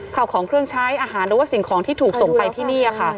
ข่าวของเครื่องใช้อาหารหรือว่าสิ่งของที่ถูกส่งไปที่นี่ค่ะ